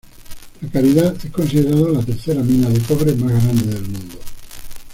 La Caridad es considerada la tercera mina de cobre más grande del mundo.